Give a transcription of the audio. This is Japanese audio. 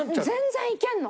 全然いけんの！